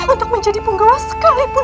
untuk menjadi penggawa sekalipun